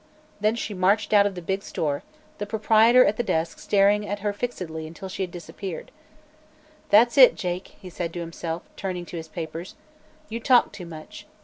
Then she marched out of the big store, the proprietor at the desk staring at her fixedly until she had disappeared. "That's it, Jake," he said to himself, turning to his papers; "you talk too much.